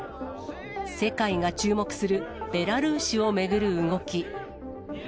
世界が注目するベラルーシを巡る動き。